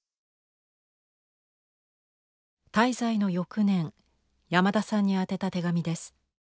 滞在の翌年山田さんに宛てた手紙です。